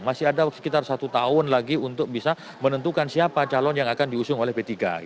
masih ada sekitar satu tahun lagi untuk bisa menentukan siapa calon yang akan diusung oleh p tiga